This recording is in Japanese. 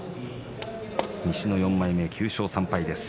西の４枚目、９勝３敗です。